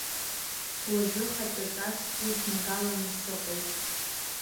Уажәы хаҵаҵас суднагаланы сыҟоуп.